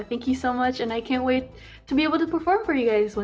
terima kasih banyak banyak dan saya tidak sabar untuk berperan untuk kalian